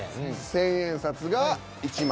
千円札が１枚。